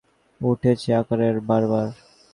এ কথা নানা রকম আকারে বারবার উঠেছে।